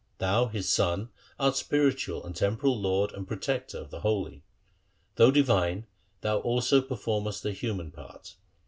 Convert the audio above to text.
Thou his son art spiritual and temporal lord and protector of the holy. Though divine, thou also performest a human part.